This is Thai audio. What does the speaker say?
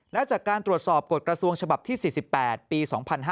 และจากการตรวจสอบกฎกระทรวงฉบับที่๔๘ปี๒๕๕๙